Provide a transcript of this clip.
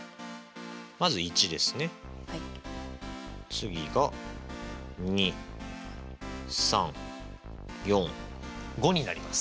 次が２３４５になります。